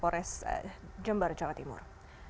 pores jember jawa timur